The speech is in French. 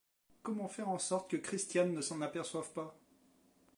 Comment faire en sorte que Christiane ne s’en aperçoive pas ?